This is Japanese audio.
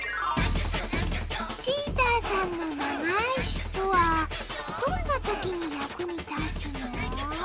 チーターさんのながいしっぽはどんなときにやくにたつの？